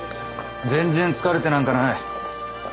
全然疲れてなんかない。